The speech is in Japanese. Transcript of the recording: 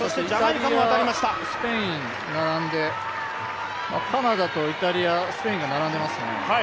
イタリア、スペイン、並んでカナダとイタリア、スペインが並んでますね。